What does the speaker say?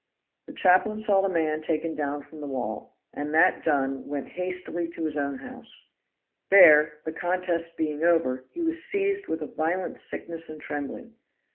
The chaplain saw the man taken down from the wall, and that done went hastily to his own house; there, the contest being over, he was seized with a violent sickness and trembling.